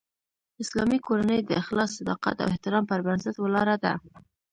اسلامي کورنۍ د اخلاص، صداقت او احترام پر بنسټ ولاړه ده